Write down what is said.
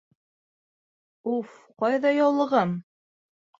Уф, ҡайҙа яулығым?